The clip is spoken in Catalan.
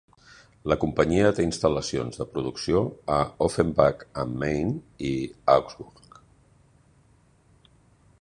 La companyia té instal·lacions de producció a Offenbach am Main i Augsburg.